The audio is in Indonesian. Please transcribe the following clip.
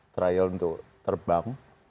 trial untuk terbang